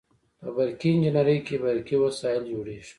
په برقي انجنیری کې برقي وسایل جوړیږي.